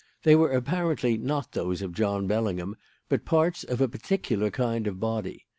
They were apparently not those of John Bellingham, but parts of a particular kind of body.